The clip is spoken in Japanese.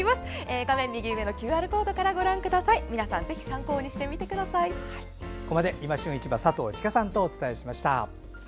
画面右上のＱＲコードからここまで「いま旬市場」佐藤千佳さんとお伝えしました。